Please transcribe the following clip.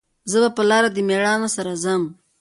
زه به په لار د میړانو سره ځم